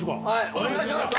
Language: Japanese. お願いします！